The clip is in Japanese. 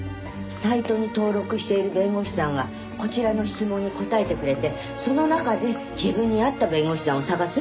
サイトに登録している弁護士さんがこちらの質問に答えてくれてその中で自分に合った弁護士さんを探すっていう。